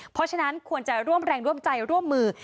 เพราะฉะนั้นควรจะร่วมแรงร่วมใจร่วมมือ